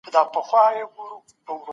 ځینې وخت موږ په خپلو غوښتنو نه پوهیږو.